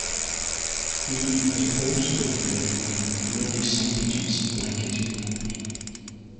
He has also appeared on Lily Savage's Blankety Blank.